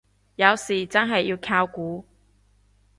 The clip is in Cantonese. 有時真係要靠估